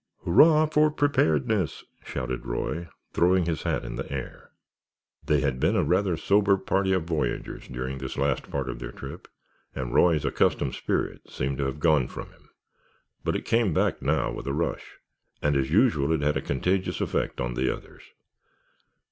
"Hurrah for Preparedness!" shouted Roy, throwing his hat in the air. They had been a rather sober party of voyagers during this last part of their trip and Roy's accustomed spirit seemed to have gone from him, but it came back now with a rush and as usual it had a contagious effect on the others.